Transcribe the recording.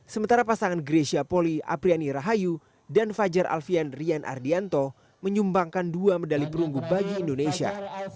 sementara pasangan grecia poli apriani rahayu dan fajar alfian rian ardianto menyumbangkan dua medali perunggu bagi indonesia